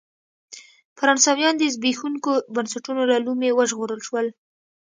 فرانسویان د زبېښونکو بنسټونو له لومې وژغورل شول.